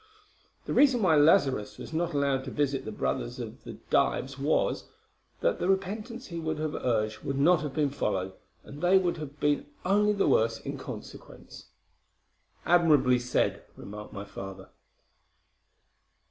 The reason why Lazarus was not allowed to visit the brothers of Dives was, that the repentance he would have urged would not have followed, and they would have been only the worse in consequence." "Admirably said," remarked my father.